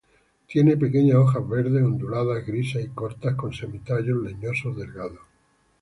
Tiene pequeñas hojas verdes, onduladas, grises y cortas con semi-tallos leñosos delgados.